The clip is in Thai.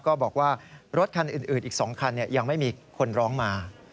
ก็บอกว่ารถคันอื่นอีก๒คันยังไม่มีคนร้องมา